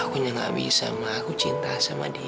akunya gak bisa sama aku cinta sama dia